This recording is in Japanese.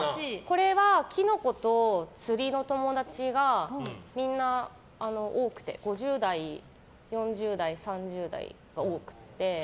これはキノコと釣りの友達が多くて５０代、４０代、３０代が多くて。